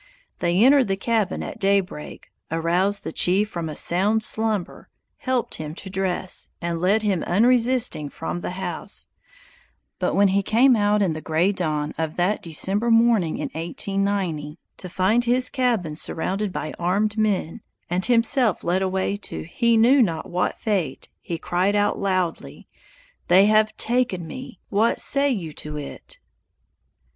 They entered the cabin at daybreak, aroused the chief from a sound slumber, helped him to dress, and led him unresisting from the house; but when he came out in the gray dawn of that December morning in 1890, to find his cabin surrounded by armed men and himself led away to he knew not what fate, he cried out loudly: "They have taken me: what say you to it?"